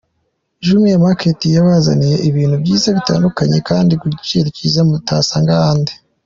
Jumia Market yabazaniye ibintu byiza bitandukanye kandi ku giciro kiza mutasanga ahandi.